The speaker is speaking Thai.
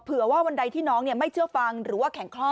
ว่าวันใดที่น้องไม่เชื่อฟังหรือว่าแข็งคลอด